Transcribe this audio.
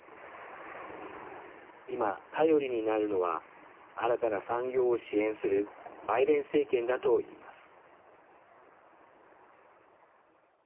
今、頼りになるのは新たな産業を支援するバイデン政権だといいます。